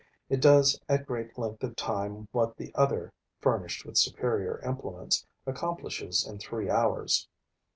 It does at great length of time what the other, furnished with superior implements, accomplishes in three hours.